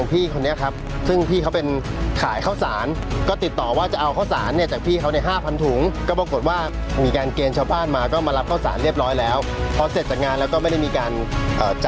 ไปยื่นก่อนเขาตอบว่าอันนี้ไม่ได้มาเบิกนะ